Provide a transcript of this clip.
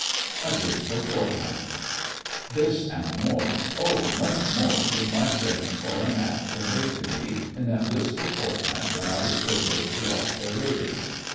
A BLISSFUL FORTNIGHT This and more—oh! much more—did my friends fore and aft convey to me in that blissful fortnight when I was privileged to watch their labours.